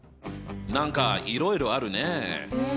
何かいろいろあるね！